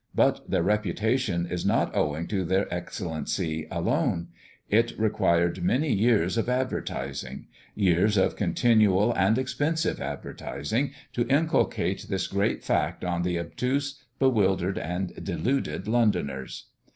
But their reputation is not owing to their excellency alone; it required many years of advertising, years of continual and expensive advertising, to inculcate this great fact on the obtuse, bewildered, and deluded Londoners.